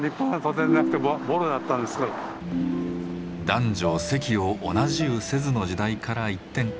男女席を同じゅうせずの時代から一転。